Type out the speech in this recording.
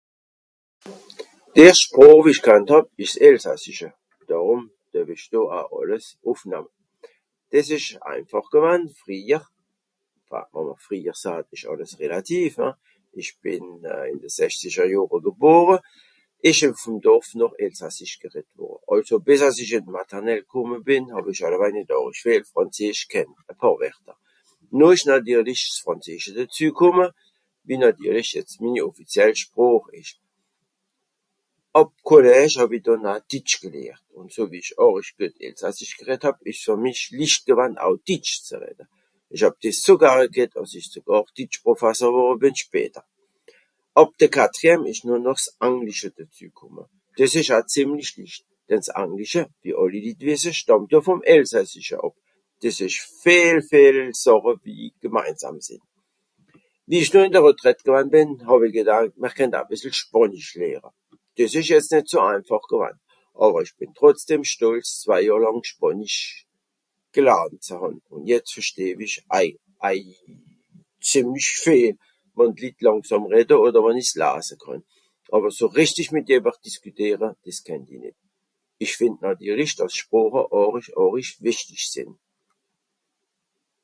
D'erscht Sproch, wie ìch kannt hàb ìsch s'Elsassische. Dàrùm due-w-ìch do aa àlles ùffnamme. Dìs ìsch einfàch gewann. Frìehjer. Enfin, wo mr frìehjer ìsch àlles relativ hein. Ìch bìn ìn de schezischer Johre gebore, ìsch (...) noch Elsassisch gereddt wùrre. Àlso bìs àss ìch ìn d Maternelle kùmme bìn hàw-ìch àllewaj nìt àrisch vìel Frànzesche kenne, e pààr Werter. Noh ìsch nàtirlich s'Frànzeesch dezü kùmme, wie nàtirlich jetz minni offiziel Sproch ìsch. Àb Collège hàw-i dànn aa Ditsch gelhert. Ùn so wie ìch àrisch güet Elsasssich gereddt hàb ìsch's fer mich licht gewann au Ditsch ze redde. Ìch hàb dìs so gare ghet, dàss ìch sogàr Ditsch Profasser worre bìn später. Àb de Quatrième ìsch noch s'Anglisch dezü kùmme. Dìs ìsch aa zìemlich licht, denn s'Anglische, wie àlli Litt wìsse stàmmt stàmmt vùm Elsasssische àb. Dìs ìçsch vìel vìel Sàche, wie Gemeinsàm sìnn. Wie ìch do ìn de Retraite bìn hàw-i gedankt, ìch kànn